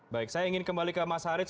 baik saya ingin kembali ke mas haris